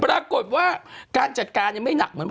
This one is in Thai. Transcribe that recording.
ปรากฏว่าการจัดการยังไม่หนักเหมือน